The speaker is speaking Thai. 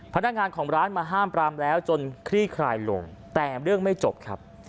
พนักงานของร้านมาห้ามปรามแล้วจนคลี่คลายลงแต่เรื่องไม่จบครับ